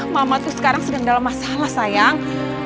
mama itu sekarang sedang dalam masalah sayang